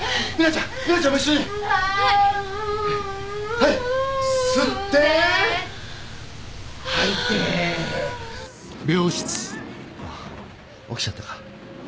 あっ起きちゃったか。